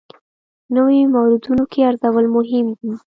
نویو موردونو کې ارزول مهم دي.